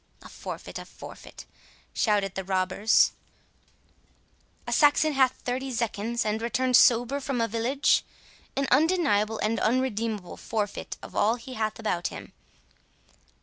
"A forfeit—a forfeit," shouted the robbers; "a Saxon hath thirty zecchins, and returns sober from a village! An undeniable and unredeemable forfeit of all he hath about him."